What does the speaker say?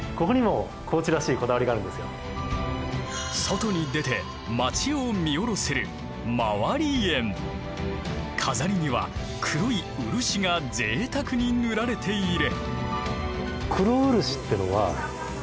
外に出て街を見下ろせる飾りには黒い漆がぜいたくに塗られている。